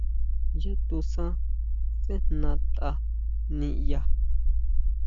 Yá tusan sejna tʼa niʼya.